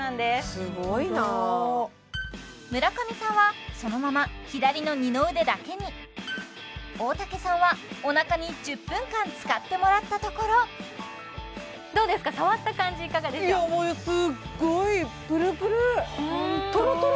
すごいなあ村上さんはそのまま左の二の腕だけに大竹さんはおなかに１０分間使ってもらったところどうですかすっごいあっそうですかホント！